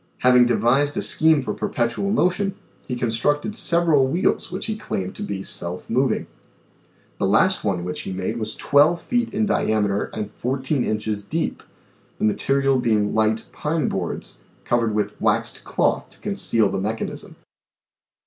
Having devised a scheme for perpetual motion he con structed several wheels which he claimed.to be self moving. The last one which he made was 1 2 feet in diameter and 14 inches deep, the material being light pine boards, covered with waxed cloth to conceal the mechanism.